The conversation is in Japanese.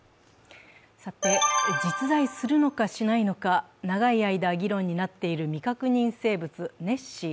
実在するのかしないのか長い間議論になっている未確認生物ネッシー。